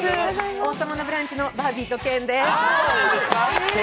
「王様のブランチ」のバービーとケンです。